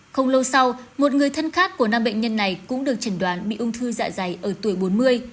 không lâu sau một người thân khác của năm bệnh nhân này cũng được chẩn đoán bị ung thư dạ dày ở tuổi bốn mươi